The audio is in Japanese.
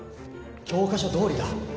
教科書どおりだ。